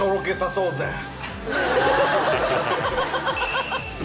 ハハハハハ！